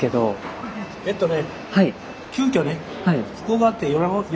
えっとね